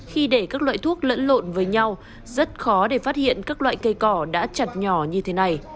khi để các loại thuốc lẫn lộn với nhau rất khó để phát hiện các loại cây cỏ đã chặt nhỏ như thế này